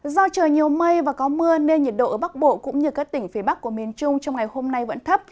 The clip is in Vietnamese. do trời nhiều mây và có mưa nên nhiệt độ ở bắc bộ cũng như các tỉnh phía bắc của miền trung trong ngày hôm nay vẫn thấp